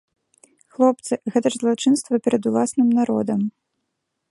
Хлопцы, гэта ж злачынства перад уласным народам.